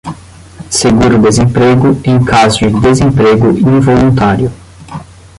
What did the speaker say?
seguro-desemprego, em caso de desemprego involuntário;